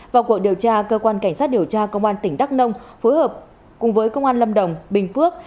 vào cuộc điều tra cơ quan cảnh sát điều tra công an tỉnh đắk nông phối hợp cùng với công an lâm đồng bình phước